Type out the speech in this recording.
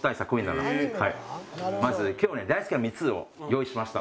まず今日はね大好きな３つを用意しました。